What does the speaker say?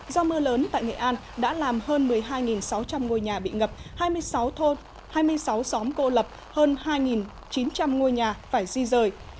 do mưa lớn tại nghệ an đã làm hơn một mươi hai sáu trăm linh ngôi nhà bị ngập hai mươi sáu xóm cô lập hơn hai chín trăm linh ngôi nhà phải di rời